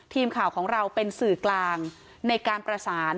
ทีมข่าวของเราเป็นสื่อกลางในการประสาน